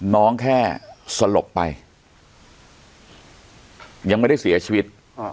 แค่สลบไปยังไม่ได้เสียชีวิต